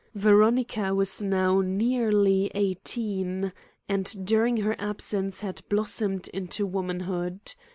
Veronica was now nearly eighteen, and during her absence had blossomed into womanhood.